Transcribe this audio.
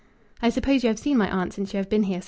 "I suppose you have seen my aunt since you have been here?"